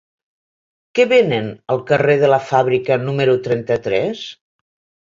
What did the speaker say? Què venen al carrer de la Fàbrica número trenta-tres?